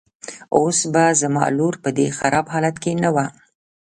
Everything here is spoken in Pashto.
اوس به زما لور په دې خراب حالت کې نه وه.